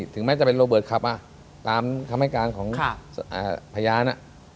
ถึงแม้จะเป็นโรเบิร์ตขับมาตามคำให้การของพยาน